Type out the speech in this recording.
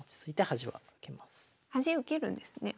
端受けるんですね。